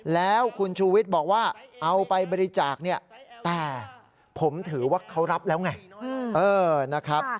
แล้วคุณชูวิทย์บอกว่าเอาไปบริจาคเนี่ยแต่ผมถือว่าเขารับแล้วไงนะครับ